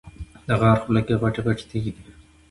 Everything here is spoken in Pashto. د غار خوله کې غټې غټې تیږې دي.